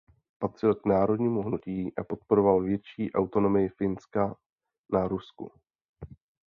Patřil k národnímu hnutí a podporoval větší autonomii Finska na Rusku.